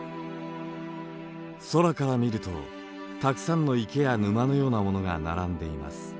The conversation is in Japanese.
空から見るとたくさんの池や沼のようなものが並んでいます。